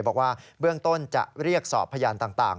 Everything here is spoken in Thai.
บอกว่าเบื้องต้นจะเรียกสอบพยานต่าง